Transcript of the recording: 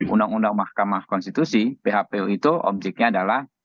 undang undang mahkamah konstitusi phpu itu objeknya adalah